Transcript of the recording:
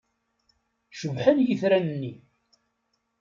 Cebḥen yitran-nni.